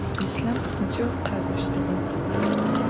Yislham psınç'eu khak'oştığe.